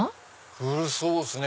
古そうですね